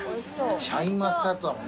シャインマスカットだもんね